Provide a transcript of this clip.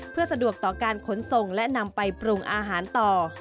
เพื่อสะดวกต่อการขนส่งและนำไปปรุงอาหารต่อ